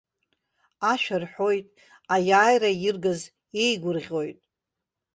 Ашәа рҳәоит, аиааира иргаз еигәырӷьоит.